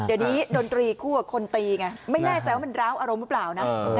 เดี๋ยวนี้ดนตรีคู่กับคนตีไงไม่แน่ใจว่ามันร้าวอารมณ์หรือเปล่านะ